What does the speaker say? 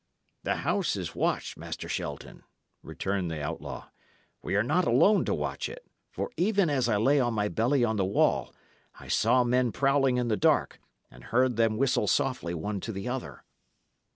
"The house is watched, Master Shelton," returned the outlaw. "We are not alone to watch it; for even as I lay on my belly on the wall I saw men prowling in the dark, and heard them whistle softly one to the other."